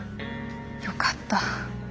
よかった。